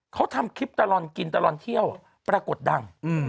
เขาทำคลิปตลอดกินตลอดเที่ยวปรากฏดัง